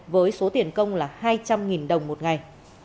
với số tiền công là hai trăm linh đồng một ngày